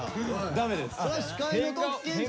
ダメです。